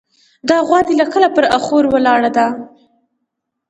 دا غوا دې له کله پر اخور ولاړه ده.